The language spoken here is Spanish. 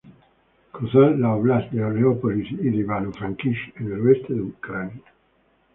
Cruza las óblast de Leópolis y de Ivano-Frankivsk, en el oeste de Ucrania.